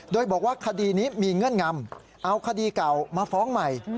โดยบอกว่าคดีนี้มีเงื่อนงำเอาคดีเก่ามาฟ้องใหม่